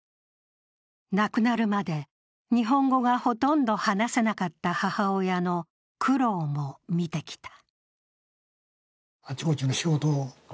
亡くなるまで、日本語がほとんど話せなかった母親の苦労も見てきた。